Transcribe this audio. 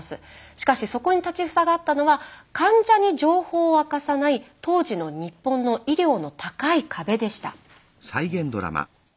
しかしそこに立ち塞がったのは患者に情報を明かさない当時の日本の医療の高い壁でした。